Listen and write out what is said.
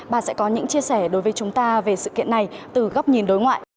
bà sẽ có những chia sẻ đối với chúng ta về sự kiện này từ góc nhìn đối ngoại